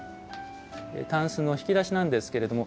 たんすの引き出しなんですけれども。